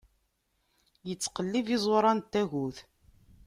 Ittqellib iẓuṛan n tagut.